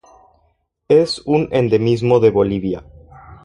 Es un endemismo de Bolivia.